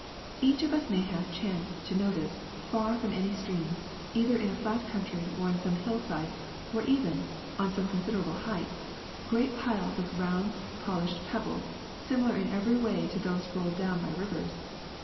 Each of us may have chanced to notice, far from any stream, either in a flat country or on some hillside or even on some con siderable height, great piles of round, polished peb bles similar in every way to those rolled down by rivers.